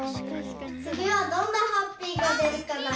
つぎはどんなハッピーがでるかな？